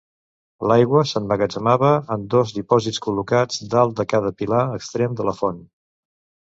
L'aigua s'emmagatzemava en dos dipòsits col·locats dalt de cada pilar extrem de la font.